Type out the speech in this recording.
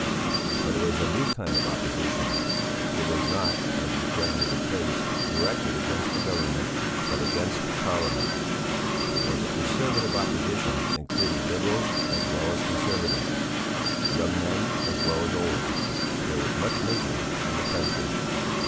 But it was a new kind of opposition; it was not, as is generally the case, directed against the Government, but against Parliament. It was a Conservative opposition including Liberals as well as Conservatives, young men as well as old; there was much misery in the country.